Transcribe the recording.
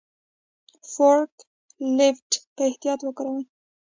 فورک لیفټ په احتیاط وکاروئ.